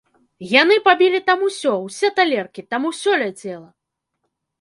Яны пабілі там усё, усе талеркі, там усё ляцела!